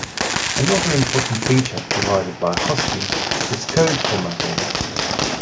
Another important feature provided by Husky is code formatting.